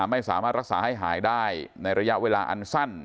ไม่สามารถรักษาให้หายได้ในระยะเวลาอันสั้น